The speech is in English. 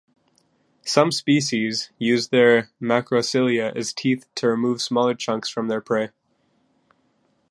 Some species use their macrocilia as teeth to remove smaller chunks from their prey.